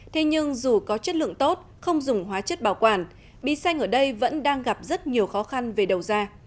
thế nhưng dù có chất lượng tốt không dùng hóa chất bảo quản bí xanh ở đây vẫn đang gặp rất nhiều khó khăn về đầu ra